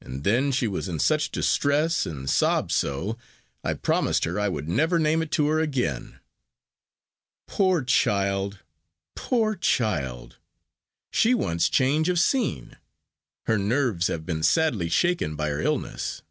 And then she was in such distress, and sobbed so, I promised her I would never name it to her again." "Poor child poor child! she wants change of scene. Her nerves have been sadly shaken by her illness."